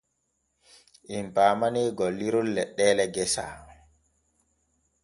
Em paamanee golliron leɗɗeele gesa.